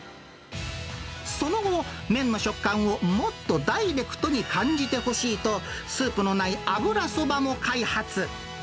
その後、麺の食感をもっとダイレクトに感じてほしいと、スープのない油そばも開発。